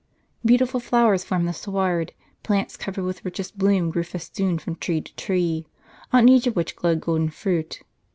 Beautiful flowers formed the sward, plants covered with richest bloom grew festooned from tree to tree, on each of which glowed golden fruit.